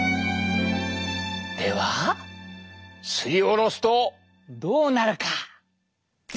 ではすりおろすとどうなるか？